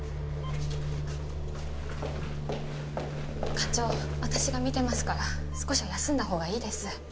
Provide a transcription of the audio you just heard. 課長私が見てますから少しは休んだほうがいいです。